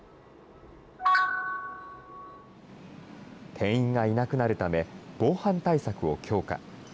店員がいなくなるため、防犯対策を強化。